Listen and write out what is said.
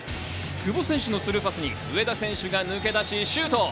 久保選手のスルーパスに上田選手が抜け出しシュート。